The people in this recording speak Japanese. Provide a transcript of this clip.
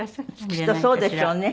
きっとそうでしょうね。